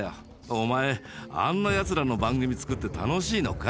「お前あんなやつらの番組作って楽しいのか？」